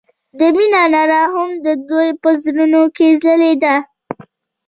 د مینه رڼا هم د دوی په زړونو کې ځلېده.